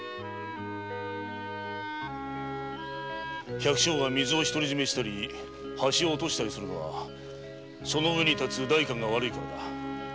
百姓が水を独り占めしたり橋を落としたりするのはその上に立つ代官が悪いからだ。